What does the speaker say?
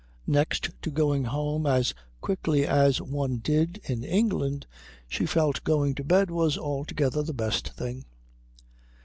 Next to going home as quickly as one did in England she felt going to bed was altogether the best thing.